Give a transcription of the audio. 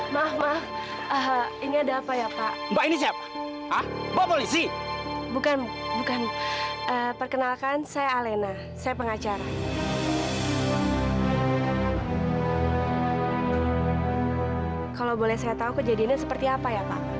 sampai jumpa di video selanjutnya